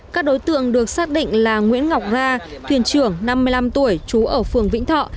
các đối tượng được xác định là nguyễn ngọc ra thuyền trưởng năm mươi năm tuổi trú ở phường vĩnh thọ